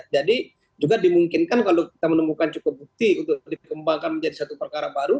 jadi juga dimungkinkan kalau kita menemukan cukup bukti untuk dikembangkan menjadi satu perkara baru